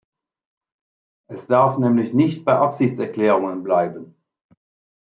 Es darf nämlich nicht bei Absichtserklärungen bleiben.